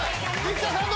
生田さん